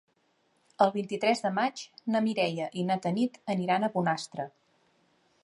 El vint-i-tres de maig na Mireia i na Tanit aniran a Bonastre.